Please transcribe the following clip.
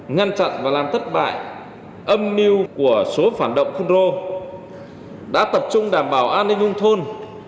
ngăn chặn và làm thất bại âm niu của số phản động khuôn rô đã tập trung đảm bảo an ninh vùng thôn